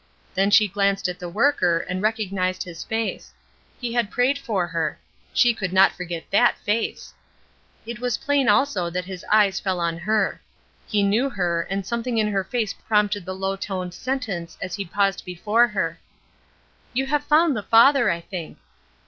Then she glanced at the worker and recognized his face. He had prayed for her. She could not forget that face. It was plain also that his eyes fell on her. He knew her, and something in her face prompted the low toned sentence as he paused before her: "You have found the Father, I think."